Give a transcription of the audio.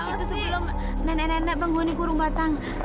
itu sebelum nenek nenek penghuni kurung batang